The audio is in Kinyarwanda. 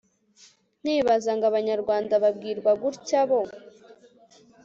nkibaza ngo abanyarwanda babwirwa gutya bo